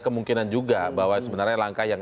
kemungkinan juga bahwa sebenarnya langkah yang